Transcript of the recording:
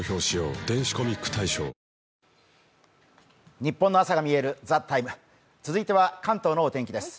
ニッポンの朝がみえる「ＴＨＥＴＩＭＥ，」、続いては関東のお天気です。